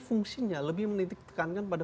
fungsinya lebih menitik tekankan pada